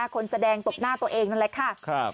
คนแสดงตบหน้าตัวเองนั่นแหละค่ะ